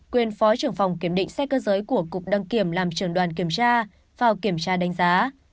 quyền phó trưởng phòng kiểm định xe cơ giới của cục đăng kiểm làm trưởng đoàn kiểm tra vào kiểm tra đánh giá